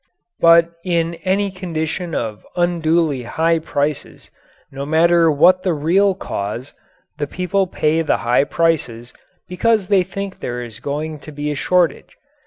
But in any condition of unduly high prices, no matter what the real cause, the people pay the high prices because they think there is going to be a shortage.